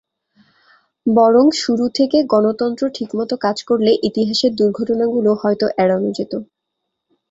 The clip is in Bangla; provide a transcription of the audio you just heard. বরং শুরু থেকে গণতন্ত্র ঠিকমতো কাজ করলে ইতিহাসের দুর্ঘটনাগুলো হয়তো এড়ানো যেত।